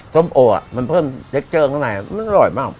ส้มโอมันเพิ่มเจคเจอร์ข้างในมันอร่อยมาก